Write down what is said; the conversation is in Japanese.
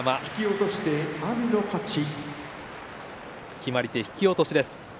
決まり手、引き落としです。